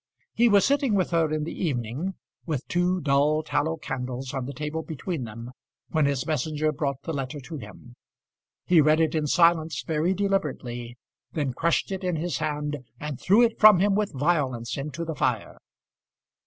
He was sitting with her in the evening, with two dull tallow candles on the table between them, when his messenger brought the letter to him. He read it in silence very deliberately, then crushed it in his hand, and threw it from him with violence into the fire.